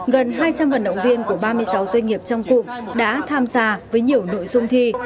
gần hai trăm linh vận động viên của ba mươi sáu doanh nghiệp trong cụm đã tham gia với nhiều nội dung thi